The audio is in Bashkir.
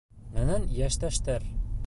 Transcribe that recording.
Минең йәштәштәр.